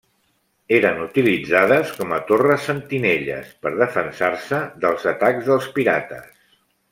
Eren utilitzades com a torres sentinelles per defensar-se dels atacs dels pirates.